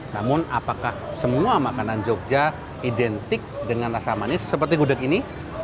namun apakah semua makanan jogja identik dengan rasa manis seperti gudeg ini